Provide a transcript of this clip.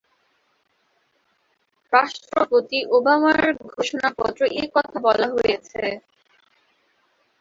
রাষ্ট্রপতি ওবামার ঘোষণাপত্রে এ কথা বলা হয়েছে।